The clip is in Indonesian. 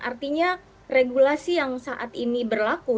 artinya regulasi yang saat ini berlaku